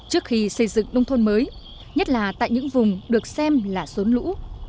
trước khi xây dựng nông thôn mới nhất là tại những vùng được xem là rốn lũ